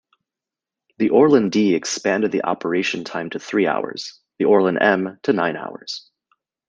The Orlan-D expanded the operation time to three hours; the Orlan-M to nine hours.